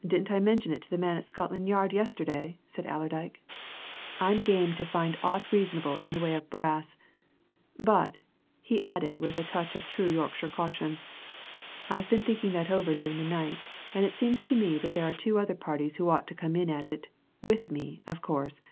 "Didn't I mention it to the man at Scotland Yard yesterday?" said Allerdyke. "I'm game to find aught reasonable in the way of brass. But," he added, with a touch of true Yorkshire caution, "I've been thinking that over during the night, and it seems to me that there are two other parties who ought to come in at it, with me, of course.